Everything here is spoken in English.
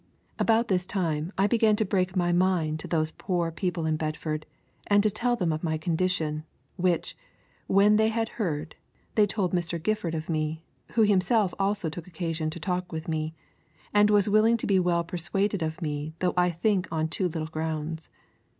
. About this time I began to break my mind to those poor people in Bedford, and to tell them of my condition, which, when they had heard, they told Mr. Gifford of me, who himself also took occasion to talk with me, and was willing to be well persuaded of me though I think on too little grounds.